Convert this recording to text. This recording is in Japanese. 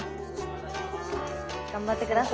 頑張って下さい。